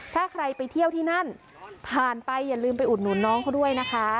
ถ้าใครไปเที่ยวที่นั่นผ่านไปอย่าลืมไปอุดหนุนน้องเขาด้วยนะคะ